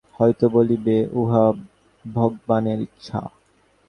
পূর্বোক্ত প্রশ্নের উত্তরে তোমরা হয়তো বলিবে, উহা ভগবানের ইচ্ছা।